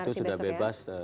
itu sudah bebas